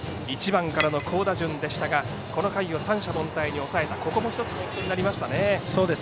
１番からの好打順でしたがこの回を三者凡退に抑えたここも１つポイントになりました。